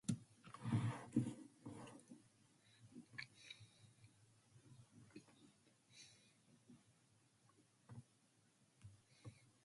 The book is largely based on the "out of Africa" theory of human origins.